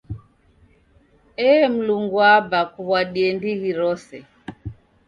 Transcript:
Ee, Mlungu Aba kuw'adie ndighi rose!